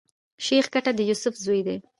شېخ ګټه د يوسف زوی دﺉ.